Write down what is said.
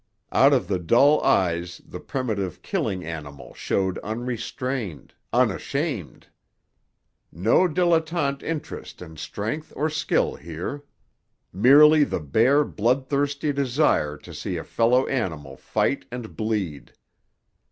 Out of the dull eyes the primitive killing animal showed unrestrained, unashamed. No dilettante interest in strength or skill here; merely the bare bloodthirsty desire to see a fellow animal fight and bleed.